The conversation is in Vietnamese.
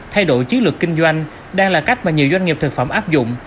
thay đổi chiến lược kinh doanh đang là cách mà nhiều doanh nghiệp thực phẩm áp dụng